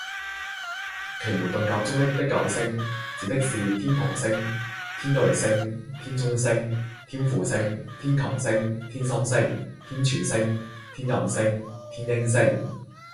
奇門遁甲中的九星，指的是天蓬星、天芮星、天沖星、天輔星、天禽星、天心星、天柱星、天任星、天英星